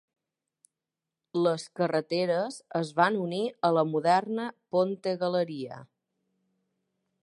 Les carreteres es van unir a la moderna Ponte Galeria.